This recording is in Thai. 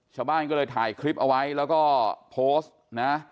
ชาวบ้านก็เลยถ่ายคลิปเอาไว้แล้วก็โพสต์นะ